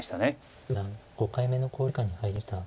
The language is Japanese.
呉五段５回目の考慮時間に入りました。